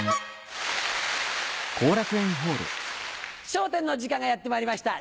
『笑点』の時間がやってまいりました。